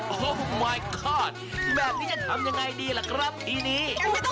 โอ้มายก๊อดแบบนี้จะทำอย่างไรดีล่ะครับทีนี้